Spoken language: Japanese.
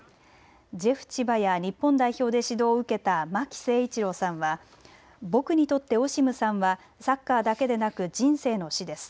ジェフ千葉や日本代表で指導を受けた巻誠一郎さんは僕にとってオシムさんはサッカーだけでなく人生の師です。